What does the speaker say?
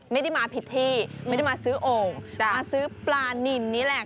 ไม่ได้น่าผิดที่ไม่ได้น่ามาซื้อองค์มาซื้อปลานินนี่แหละค่ะ